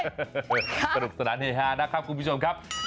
สนุกสนานเฮฮานะครับคุณผู้ชมครับ